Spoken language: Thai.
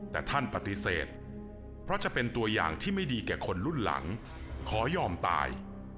แต่ท่านปฏิเสธเพราะจะเป็นตัวอย่างที่ไม่ดีแก่คนรุ่นหลังขอยอมตาย